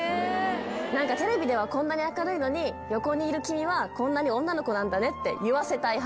何かテレビではこんなに明るいのに横にいる君はこんなに女の子なんだねって言わせたい派。